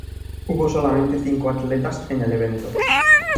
Hubo solamente cinco atletas en el evento.